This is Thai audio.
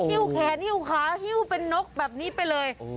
ิ้วแขนหิ้วขาหิ้วเป็นนกแบบนี้ไปเลย